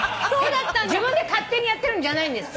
自分で勝手にやってるんじゃないんです。